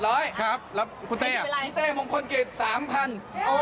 แล้วคุณเต้มงคลกิจ๓๐๐๐บาท